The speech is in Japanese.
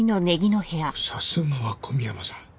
さすがは小宮山さん。